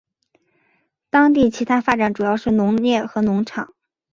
当地其它发展主要是农业和农场。